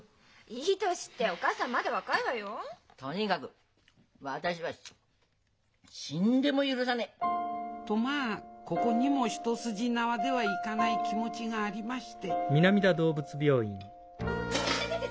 「いい年」ってお母さんまだ若いわよ。とにがく私は死んでも許さねえ！とまあここにも一筋縄ではいかない気持ちがありましていててて！